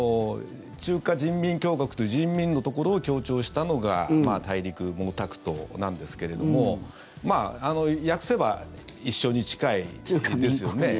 中華人民共和国という「人民」のところを強調したのが大陸、毛沢東なんですけれども訳せば一緒に近いですよね。